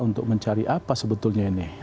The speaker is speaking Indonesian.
untuk mencari apa sebetulnya ini